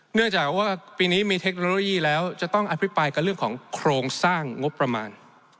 เนื่องจากว่าปีนี้มีเทคโนโลยีแล้วจะต้องอภิปรายกับเรื่องของโครงสร้างงบประมาณ